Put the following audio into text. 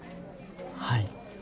はい。